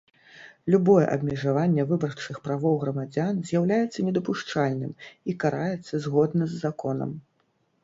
Любое абмежаванне выбарчых правоў грамадзян з’яўляецца недапушчальным і караецца згодна з законам.